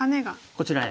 こちらへ。